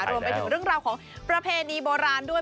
รวมไปถึงเรื่องราวของประเพณีโบราณด้วย